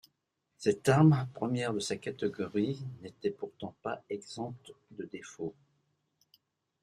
Cette arme, première de sa catégorie, n'était pourtant pas exempte de défauts.